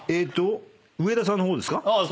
上田さんの方ですか？